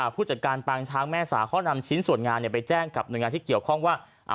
ผู้จัดการปางช้างแม่สาเขานำชิ้นส่วนงานไปแจ้งกับหน่วยงานที่เกี่ยวข้องว่า